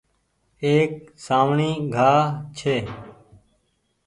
ايڪ سآوڻي گآه ڇي۔